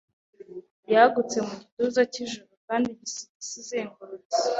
yagutse mu gituza cyijoro Kandi gisiga isi izengurutse